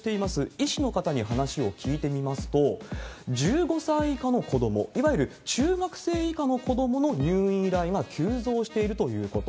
医師の方に話を聞いてみますと、１５歳以下の子ども、いわゆる中学生以下の子どもの入院依頼が急増しているということ。